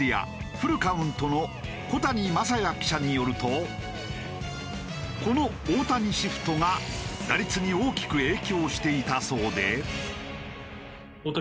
Ｆｕｌｌ−Ｃｏｕｎｔの小谷真弥記者によるとこの大谷シフトが打率に大きく影響していたそうで。